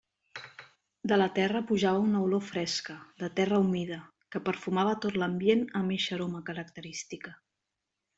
De la terra pujava una olor fresca, de terra humida, que perfumava tot l'ambient amb eixa aroma característica.